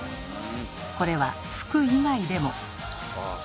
これは服以外でも。